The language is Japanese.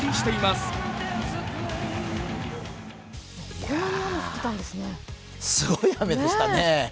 すごい雨でしたね。